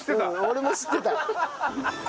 俺も知ってた。